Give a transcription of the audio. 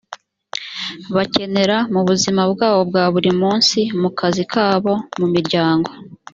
bakenera mu buzima bwabo bwa buri munsi mu kazi kabo mu miryango